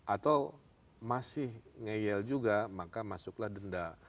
atau masih ngeyel juga maka masuklah denda